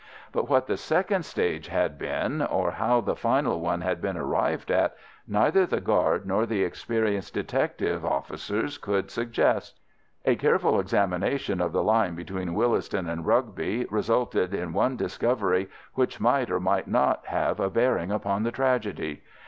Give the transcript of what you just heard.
But what the second stage had been, or how the final one had been arrived at, neither the guard nor the experienced detective officers could suggest. A careful examination of the line between Willesden and Rugby resulted in one discovery which might or might not have a bearing upon the tragedy.